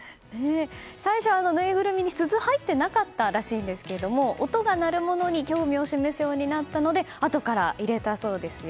最初はぬいぐるみに鈴が入ってなかったらしいんですが音が鳴るものに興味を示すようになったのであとから入れたそうですよ。